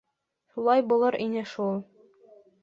— Шулай булыр ине шул...